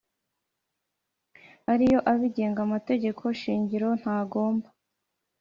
ariyo abigenga Amategeko shingiro ntagomba